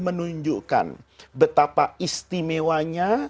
menunjukkan betapa istimewanya